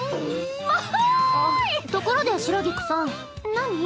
ところで白菊さん。何？